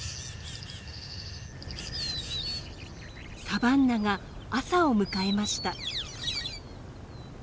サバンナが朝を迎えました。